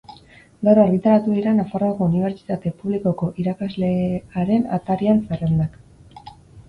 Gaur argitaratu dira Nafarroako Unibertsitate Publikoko irakaslearen atarian zerrendak.